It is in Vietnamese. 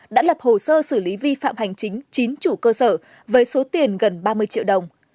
đã lập hồ sơ xử lý vi phạm hành chính chín chủ cơ sở với số tiền gần ba mươi triệu đồng